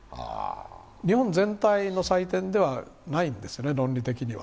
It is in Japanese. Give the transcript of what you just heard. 日本全体の祭典ではないんですよね、論理的には。